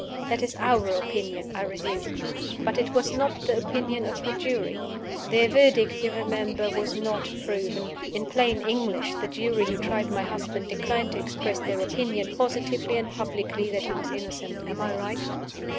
"That is our opinion," I resumed. "But it was not the opinion of the Jury. Their verdict, you remember, was Not Proven. In plain English, the Jury who tried my husband declined to express their opinion, positively and publicly, that he was innocent. Am I right?"